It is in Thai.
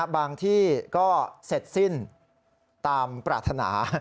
บางที่ก็เสร็จสิ้นตามปรารถนา